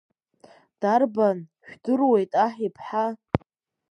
Дарбан жәдыруеит аҳ иԥҳа.